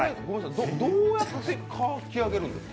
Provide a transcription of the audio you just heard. どうやって描き上げるんですか？